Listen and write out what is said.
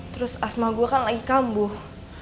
terus asma gue kan lagi kambuh